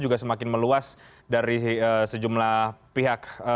juga semakin meluas dari sejumlah pihak